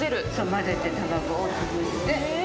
混ぜて卵を潰して。